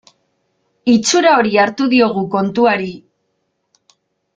Itxura hori hartu diogu kontuari.